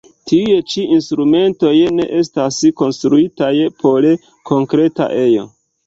Tiuj ĉi instrumentoj ne estas konstruitaj por konkreta ejo.